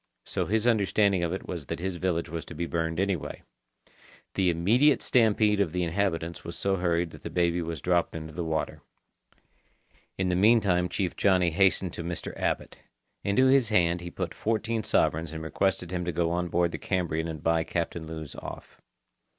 So his understanding of it was that his village was to be burned anyway. The immediate stampede of the inhabitants was so hurried that the baby was dropped into the water. In the meantime Chief Johnny hastened to Mr. Abbot. Into his hand he put fourteen sovereigns and requested him to go on board the Cambrian and buy Captain Lewes off.